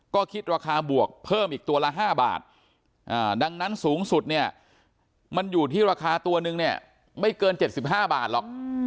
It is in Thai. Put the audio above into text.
ก็คิดราคาบวกเพิ่มอีกตัวละ๕บาทดังนั้นสูงสุดเนี่ยมันอยู่ที่ราคาตัวนึงเนี่ยไม่เกิน๗๕บาทหรอก